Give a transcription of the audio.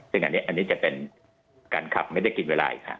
ซึ่งอันนี้จะเป็นการขับไม่ได้กินเวลาอีกครับ